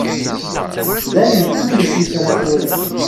Dayen kullec yefra tura.